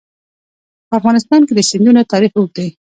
په افغانستان کې د سیندونه تاریخ اوږد دی.